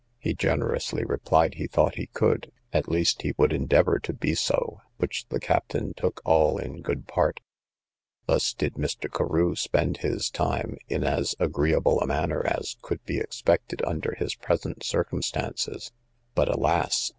He generously replied he thought he could, at least he would endeavour to be so; which the captain took all in good part. Thus did Mr. Carew spend his time, in as agreeable a manner as could be expected under his present circumstances: but, alas!